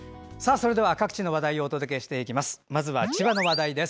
それでは、各地の話題をお届けしていきます。